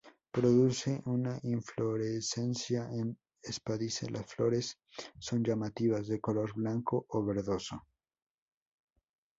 Produce una inflorescencia en espádice; las flores son llamativas, de color blanco a verdoso.